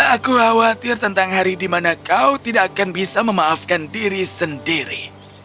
aku khawatir tentang hari di mana kau tidak akan bisa memaafkan diri sendiri